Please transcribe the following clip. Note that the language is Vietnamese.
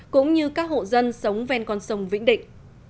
cũng như các hộ dân sống ven con sông vĩnh định